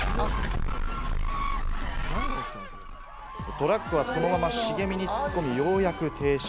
トラックは、そのまま茂みに突っ込み、ようやく停止。